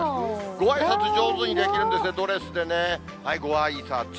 ごあいさつ、上手にできるんですよ、ドレスでね。